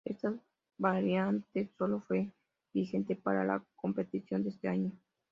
Esta variante sólo fue vigente para la competición de ese año.